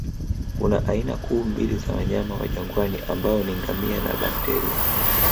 Kuna aina kuu mbili za wanyama wa jangwani ambao ni ngamia na bakteria